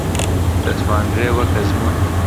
دەتوانرێ وەک ئەزموون